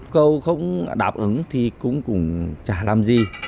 câu không đáp ứng thì cũng chả làm gì